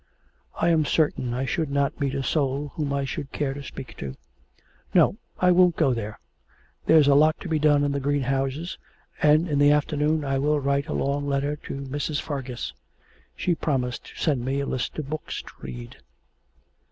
I am certain I should not meet a soul whom I should care to speak to. No, I won't go there. There's a lot to be done in the greenhouses, and in the afternoon I will write a long letter to Mrs. Fargus. She promised to send me a list of books to read.'